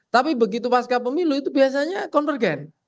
tapi begitu pasca pemilu itu biasanya convergen